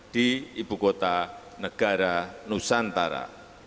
di ibu kota negara nusantara